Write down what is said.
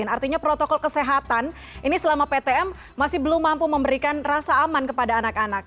artinya protokol kesehatan ini selama ptm masih belum mampu memberikan rasa aman kepada anak anak